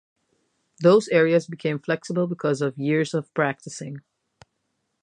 Those areas became flexible because of years of practicing.